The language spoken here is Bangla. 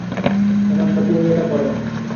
আমার সাথে উনি এটা করেন।